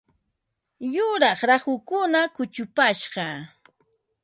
Yuraq rahukuna kuchupashqa.